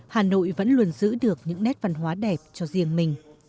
hà nội vẫn luôn giữ được những nét văn hóa đẹp cho riêng mình